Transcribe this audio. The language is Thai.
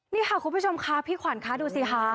นี่ค่ะคุณผู้ชมค่ะพี่ขวัญคะดูสิคะ